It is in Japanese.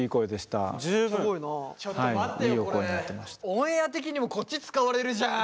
オンエア的にもこっち使われるじゃん！